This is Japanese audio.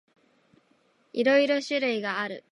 いろいろ種類がある。